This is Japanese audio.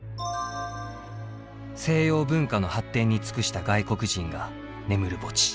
西洋文化の発展に尽くした外国人が眠る墓地。